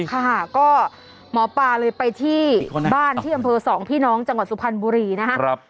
ค่ะก็หมอปลาเลยไปที่บ้านที่อำเภอสองพี่น้องจังหวัดสุพรรณบุรีนะครับ